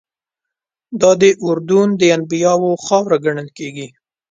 دادی اردن د انبیاوو خاوره ګڼل کېږي.